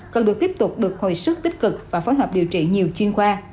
cần được tiếp tục được hồi sức tích cực và phối hợp điều trị nhiều chuyên khoa